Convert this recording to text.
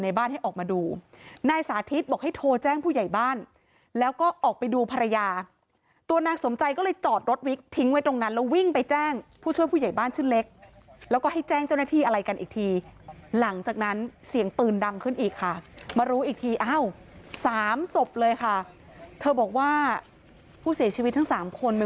บ้านให้ออกมาดูนายสาธิตบอกให้โทรแจ้งผู้ใหญ่บ้านแล้วก็ออกไปดูภรรยาตัวนางสมใจก็เลยจอดรถวิกทิ้งไว้ตรงนั้นแล้ววิ่งไปแจ้งผู้ช่วยผู้ใหญ่บ้านชื่อเล็กแล้วก็ให้แจ้งเจ้าหน้าที่อะไรกันอีกทีหลังจากนั้นเสียงปืนดังขึ้นอีกค่ะมารู้อีกทีอ้าวสามศพเลยค่ะเธอบอกว่าผู้เสียชีวิตทั้งสามคนมัน